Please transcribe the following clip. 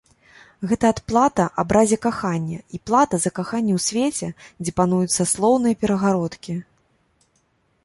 Гэта адплата абразе кахання і плата за каханне ў свеце, дзе пануюць саслоўныя перагародкі.